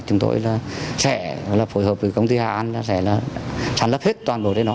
chúng tôi là sẽ là phối hợp với công ty hà an sẽ là sản lập hết toàn bộ đến đó